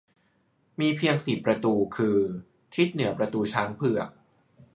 มีเพียงสี่ประตูคือ ทิศเหนือประตูช้างเผือก